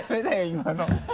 今の。